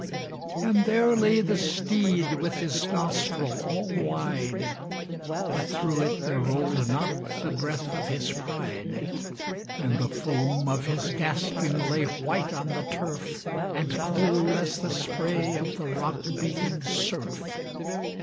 And there lay the steed with his nostril all wide, But through it there rolled not the breath of his pride: And the foam of his gasping lay white on the turf, And cold as the spray of the rock beating surf.